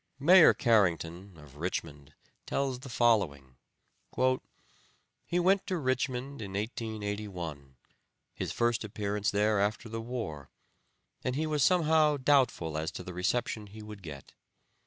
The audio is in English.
Mayor Carrington, of Richmond, tells the following: "He went to Richmond in 1881, his first appearance there after the war, and he was somewhat doubtful as to the reception he would get.